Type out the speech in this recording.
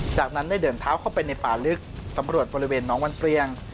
จากนั้นได้เดินเท้าเข้าไปในป่าลึกสำรวจบริเวณน้องวันเปรี้ยง